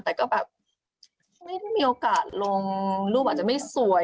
แต่ก็แบบไม่ได้มีโอกาสลงรูปอาจจะไม่สวย